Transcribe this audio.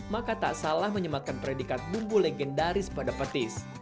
maka tak salah menyematkan predikat bumbu legendaris pada petis